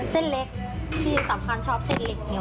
เส้นเล็กที่สำคัญชอบเส้นเล็กเหนียว